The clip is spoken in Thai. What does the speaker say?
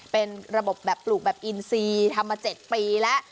เป็นระบบแบบปลูกแบบอินซีทำมา๗ปีแล้ว